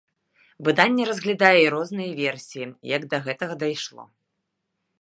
Выданне разглядае і розныя версіі, як да гэтага дайшло.